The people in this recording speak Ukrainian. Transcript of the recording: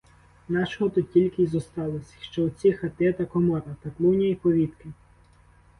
Нашого тут тільки й зосталось, що оці хати та комора, та клуня й повітки.